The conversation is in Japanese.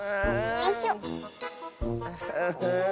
よいしょ。